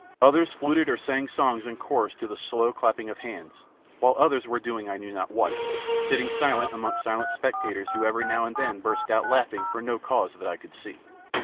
Others fluted or sang songs in chorus to the slow clapping of hands, while others were doing I knew not what, sitting silent amongst silent spectators who every now and then burst out laughing for no cause that I could see.